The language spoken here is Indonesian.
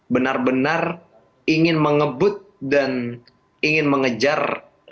benar benar ingin mengebut dan ingin mengejar